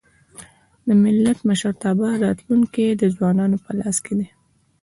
د ملت د مشرتابه راتلونکی د ځوانانو په لاس کي دی.